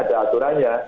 ini adalah aturan